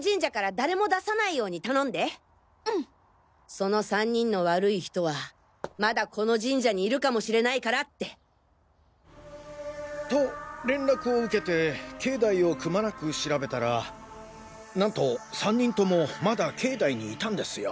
その３人の悪い人はまだこの神社にいるかもしれないからって！と連絡を受けて境内をくまなく調べたらなんと３人ともまだ境内にいたんですよ。